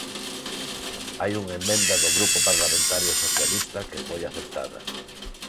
Hai unha emenda do Grupo Parlamentario Socialista que foi aceptada.